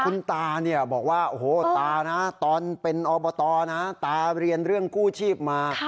คุณตาเนี่ยบอกว่าโอ้โหตานะตอนเป็นอบตนะตาเรียนเรื่องกู้ชีพมา